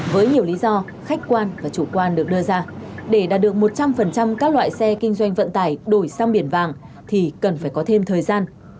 với nhiều lý do khách quan và chủ quan được đưa ra để đạt được một trăm linh các loại xe kinh doanh vận tải đổi sang biển vàng thì cần phải có thêm thời gian